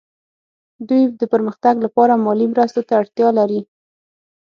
دوی د پرمختګ لپاره مالي مرستو ته اړتیا لري